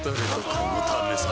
このためさ